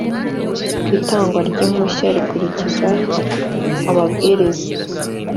itangwa ry ‘impushya rikurikiza amabwiriza.